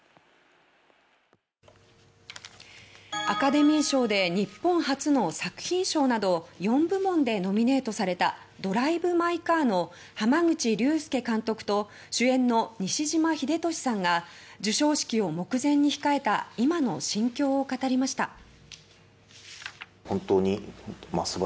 アカデミー賞で日本初の作品賞など４部門でノミネートされた「ドライブ・マイ・カー」の濱口竜介監督と主演の西島秀俊さんが授賞式を目前に控えた今の心境を語りました。